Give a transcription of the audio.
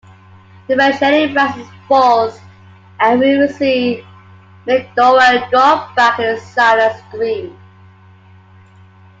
The machete rises, falls, and we see McDowell draw back in a silent scream.